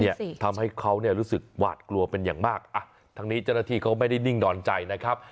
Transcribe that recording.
ทำให้เขาเนี่ยรู้สึกหวาดกลัวเป็นอย่างมากอ่ะทั้งนี้เจ้าหน้าที่เขาไม่ได้นิ่งนอนใจนะครับ